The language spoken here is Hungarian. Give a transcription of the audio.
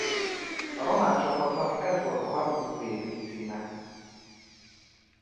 A román csapatnak ez volt a harmadik vb-címe.